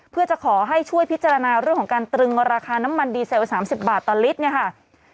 เพื่อจะขอให้ช่วยพิจารณาเรื่องของการตรึงราคาน้ำมันดีเซล๓๐บาทต่อลิตรเนี่ยค่ะ